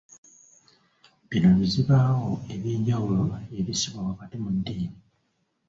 Bino bizzibaawo eby'enjawulo ebissibwa wakati mu ddiini.